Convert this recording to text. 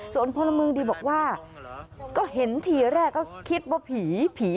ส่วนพลเมืองดีบอกว่าก็เห็นทีแรกก็คิดว่าผีผี